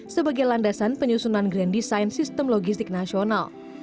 sebagai landasan penyusunan grand design sistem logistik nasional